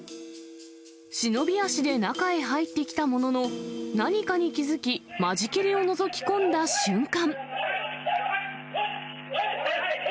忍び足で中へ入ったきたものの、何かに気付き、間仕切りをのぞき込んだ瞬間。